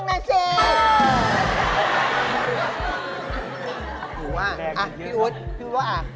อ่ะพี่อุ๊ดพี่อุ๊ดว่า